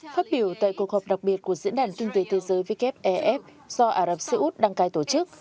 phát biểu tại cuộc họp đặc biệt của diễn đàn kinh tế thế giới wef do ả rập xê út đăng cai tổ chức